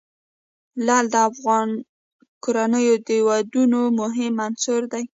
لعل د افغان کورنیو د دودونو مهم عنصر دی.